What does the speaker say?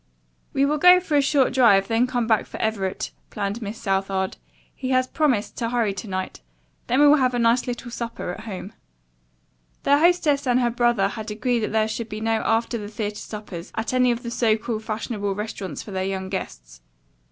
"We will go for a short drive, then come back for Everett," planned Miss Southard. "He has promised to hurry to night then we will have a nice little supper at home." Their hostess and her brother had agreed that there should be no after the theatre suppers at any of the so called fashionable restaurants for their young guests.